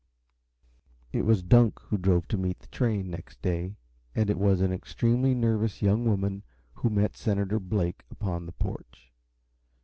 It was Dunk who drove to meet the train, next day, and it was an extremely nervous young woman who met Senator Blake upon the porch.